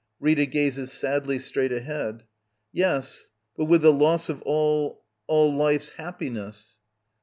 Rita. [Gazes sadly straight ahead.] Yes — but V'ith the loss of all — all life's happiness.